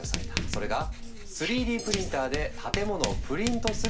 それが３Ｄプリンターで建物をプリントするっていうマジ？